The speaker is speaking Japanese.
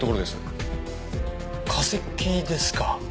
化石ですか。